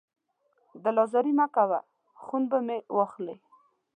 دل ازاري مه کوه، خون به مې واخلې